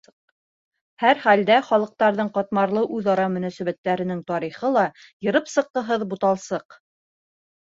Һәр хәлдә, халыҡтарҙың ҡатмарлы үҙ-ара мөнәсәбәттәренең тарихы ла йырып сыҡҡыһыҙ буталсыҡ.